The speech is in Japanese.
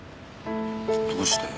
どうして？